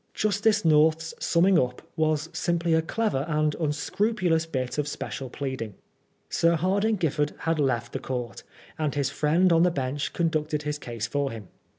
Justice North's summing up was simply a clever and unscrupulous bit of special pleading. Sir Hardinge Giffard had left the court, and his friend on the bench conducted his case for him.